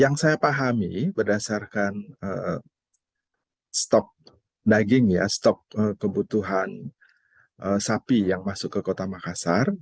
yang saya pahami berdasarkan stok daging ya stok kebutuhan sapi yang masuk ke kota makassar